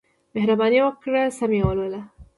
مهرباني وکړئ سم یې ولولئ.